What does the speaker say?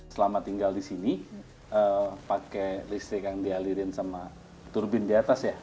selama tinggal di sini pakai listrik yang dialirin sama turbin di atas ya